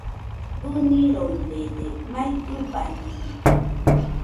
ɨniroirede, mai ɨbañeno